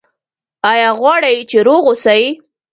ایا غواړئ چې روغ اوسئ؟